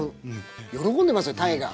喜んでますよ鯛が。